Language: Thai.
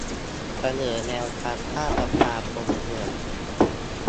เสนอแนวทางสร้างสภาพลเมือง